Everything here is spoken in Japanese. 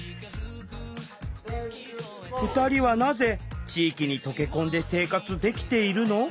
２人はなぜ地域に溶け込んで生活できているの？